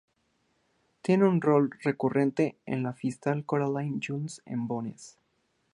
Tiene un rol recurrente como la fiscal Caroline Julian en "Bones".